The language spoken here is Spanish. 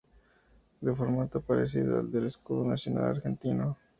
De formato parecido al del escudo nacional argentino.